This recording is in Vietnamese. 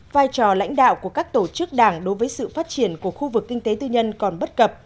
vai trò lãnh đạo của các tổ chức đảng đối với sự phát triển của khu vực kinh tế tư nhân còn bất cập